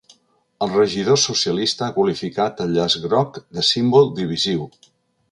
El regidor socialista ha qualificat el llaç groc de ‘símbol divisiu’.